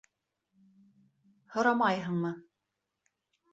Һорамайһыңмы?